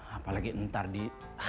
apalagi ntar di